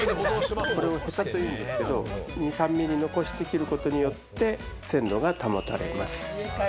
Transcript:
これはヘタというんですけれど、２３ミリ残して切ることで鮮度が保たれます。